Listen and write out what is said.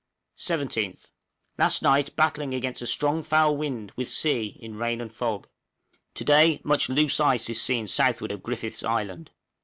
{PROCEED DOWN PEEL STRAIT.} 17th. Last night battling against a strong foul wind with sea, in rain and fog. To day much loose ice is seen southward of Griffith's Island.